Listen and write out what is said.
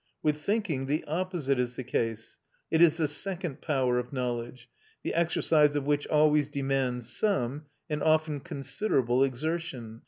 With thinking the opposite is the case; it is the second power of knowledge, the exercise of which always demands some, and often considerable, exertion.